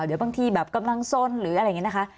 เดี๋ยวบางทีแบบกำลังส้นหรืออะไรอย่างนี้นะคะ